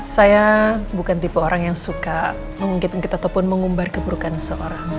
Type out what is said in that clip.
saya bukan tipe orang yang suka mengungkit ungkit ataupun mengumbar keburukan seorang